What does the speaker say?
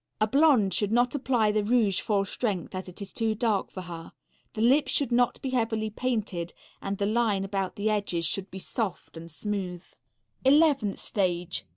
A blonde should not apply the rouge full strength, as it is too dark for her. The lips should not be heavily painted, and the line about the edges should be soft and smooth. _Eleventh stage.